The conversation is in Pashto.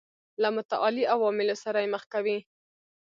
له متعالي عوالمو سره یې مخ کوي.